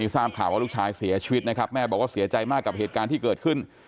ทราบข่าวว่าลูกชายเสียชีวิตนะครับแม่บอกว่าเสียใจมากกับเหตุการณ์ที่เกิดขึ้น